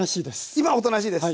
今はおとなしいです。